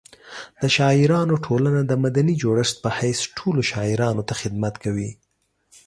د شاعرانو ټولنه د مدني جوړښت په حیث ټولو شاعرانو ته خدمت کوي.